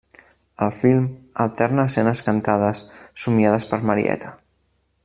El film alterna escenes cantades, somiades per Marieta.